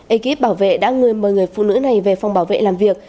ekip bảo vệ đã người mời người phụ nữ này về phòng bảo vệ làm việc